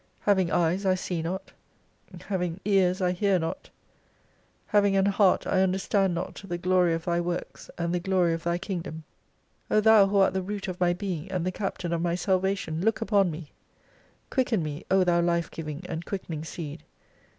Having eyes I see not, having eyes I hear not, having an heart I understand not the glory of Thy works and the glory of Thy Kingdom. O Thou who art the Root of my being, and the Captain of my salva tion, look upon me. Quicken me, O Thou life giving and quickening Seed.